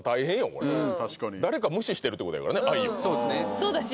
これ誰か無視してるってことやからね